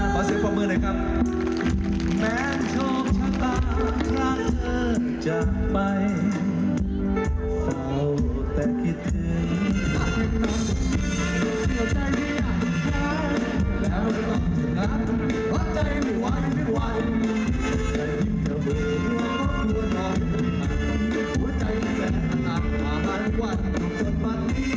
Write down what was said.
ก็จะยิ่งเฉยมากกว่านี้ค่ะในหัวใจแสนตามมาบ้านไว้จนบันดี